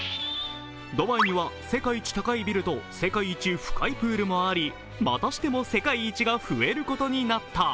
ドバイには世界一高いビルと世界一深いプールもありまたしても世界一が増えることになった。